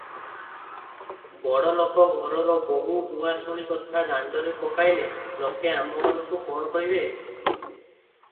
ବଡ଼ ଲୋକ ଘରର ବୋହୂ ଭୂଆସୁଣୀ କଥା ଦାଣ୍ତରେ ପକାଇଲେ ଲୋକେ ଆମ୍ଭମାନଙ୍କୁ କ'ଣ କହିବେ?